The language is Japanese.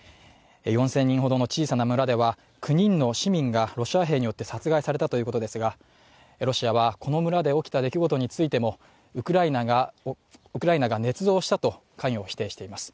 ４０００人ほどの小さな村では９人の市民がロシア兵によって殺害されたということですが、ロシアはこの村で起きた出来事についてもウクライナがねつ造したと関与を否定しています。